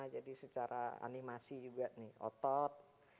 jadi secara animasi juga nih otot